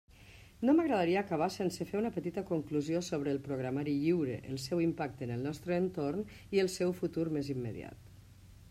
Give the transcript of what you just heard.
No m'agradaria acabar sense fer una petita conclusió sobre el programari lliure, el seu impacte en el nostre entorn, i el seu futur més immediat.